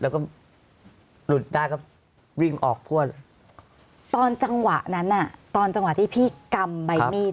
ก็วิ่งออกทั่วตอนจังหวะนั้นอ่ะตอนจังหวะที่พี่กำใบมีด